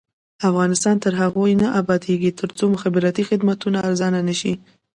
افغانستان تر هغو نه ابادیږي، ترڅو مخابراتي خدمتونه ارزانه نشي.